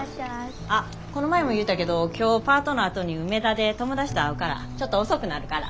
あっこの前も言うたけど今日パートのあとに梅田で友達と会うからちょっと遅くなるから。